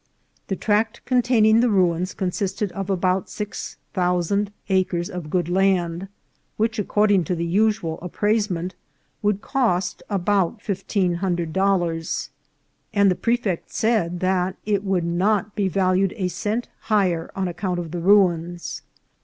The tract containing the ruins consisted of about six thousand acres of good land, which, according to the usual appraisement, would cost about fifteen hundred dollars, and the prefect said that it would not be valued a cent higher on account of the ruins.